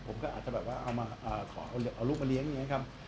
ผมก็อาจจะแบบว่าเอามาขอเอาลูกมาเลี้ยงอย่างนี้ครับ